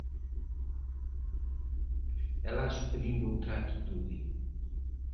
E Laso pedindo outra actitude.